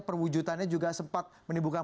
perwujudannya juga sempat menimbulkan